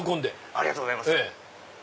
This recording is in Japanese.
ありがとうございます。